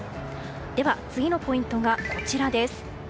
では、次のポイントがこちらです。